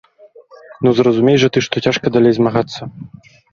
Ну, зразумей жа ты, што цяжка далей змагацца!